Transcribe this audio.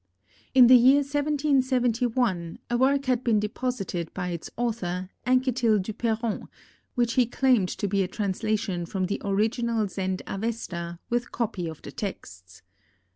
In the year 1771 a work had been deposited by its author, Anquetil Duperron, which he claimed to be a translation from the original Zend Avesta, with copy of the texts.